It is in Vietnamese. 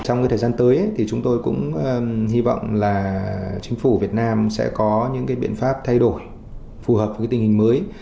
trong thời gian tới thì chúng tôi cũng hy vọng là chính phủ việt nam sẽ có những biện pháp thay đổi phù hợp với tình hình mới